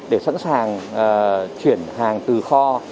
để sẵn sàng chuyển hàng từ kho